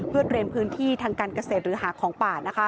เพื่อเตรียมพื้นที่ทางการเกษตรหรือหาของป่า